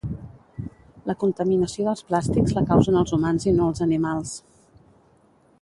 La contaminació dels plàstics la causen els humans i no els animals.